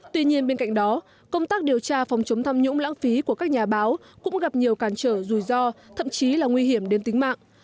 tuy nhiên bên cạnh đó công tác điều tra phòng chống tham nhũng lãng phí của các nhà báo cũng gặp nhiều cản trở rủi ro thậm chí là nguy hiểm đến tính mạng